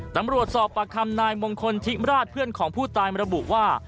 ตำรวจสอบประคำนายมงคลทิมราชเพื่อนของผู้ตายมาระบุว่า